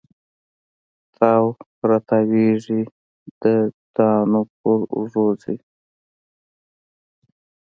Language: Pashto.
تاو را تاویږې د دودانو پر اوږو ځي